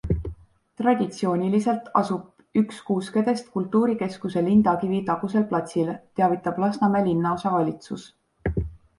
Traditsiooniliselt asub üks kuuskedest kultuurikeskuse Lindakivi tagusel platsil, teavitab Lasnamäe linnaosa valitsus.